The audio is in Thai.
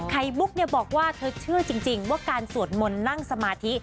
ไข่บุ๊กบอกว่าเธอเชื่อจริงว่าการสวดมนต์นั่งสมาธิ